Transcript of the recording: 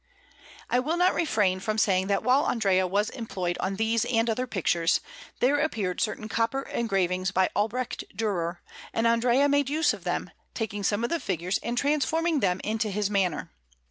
I will not refrain from saying that while Andrea was employed on these and other pictures, there appeared certain copper engravings by Albrecht Dürer, and Andrea made use of them, taking some of the figures and transforming them into his manner.